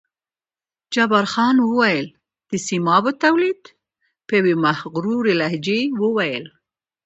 جبار خان وویل: د سیمابو تولید، په یوې مغرورې لهجې یې وویل.